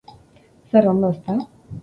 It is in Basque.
Zer ondo, ezta?